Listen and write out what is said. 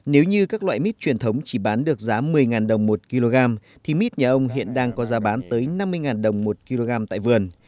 nếu như các loại mít truyền thống chỉ bán được giá một mươi đồng một kg thì mít nhà ông hiện đang có giá bán tới năm mươi đồng một kg tại vườn